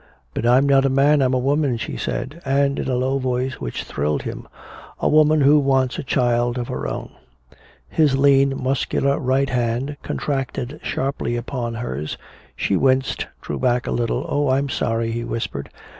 "But I'm not a man, I'm a woman," she said. And in a low voice which thrilled him, "A woman who wants a child of her own!" His lean muscular right hand contracted sharply upon hers. She winced, drew back a little. "Oh I'm sorry!" he whispered.